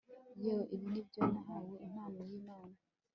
yewe ibi nibyo nahawe impano yimana